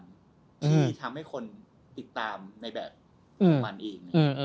ที่ทำให้คนติดตามในแบบของมันเอง